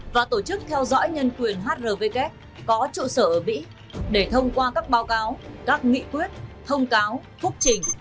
và tổ chức theo dõi nhân quyền hrvk có trụ sở ở mỹ để thông qua các báo cáo các nghị quyết thông cáo phúc trình